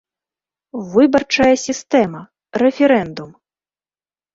ВЫБАРЧАЯ СІСТЭМА. РЭФЕРЭНДУМ